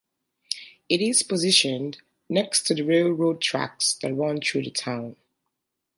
It is positioned next to the railroad tracks that run through the town.